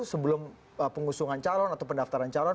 sebelum pengusungan calon atau pendaftaran calon